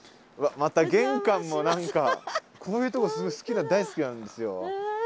また玄関も何かこういうとこすごい大好きなんですよ。